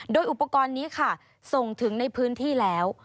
โดยอุปกรณ์นี้ค่ะส่งถึงในพื้นที่แล้ว